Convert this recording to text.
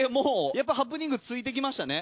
やっぱハプニングついてきましたね。